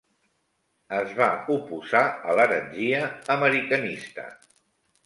Es va oposar a la heretgia americanista.